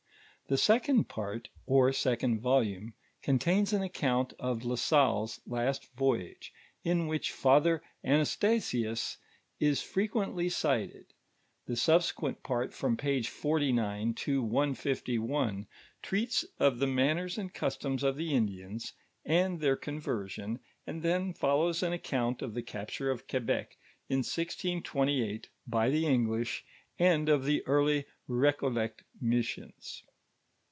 Tlie second part, or second volume, contains nn account of Ln Salle's last voyage, in which Father Anastnsius is frequently cited ; the subsequent part, from page 49 to Ifd, treats of the manners, and customs of the Indians, nnd their conversion, and then follows an account of the capture of Quebec, in 1628, by the English, niil of the early Recollect missions.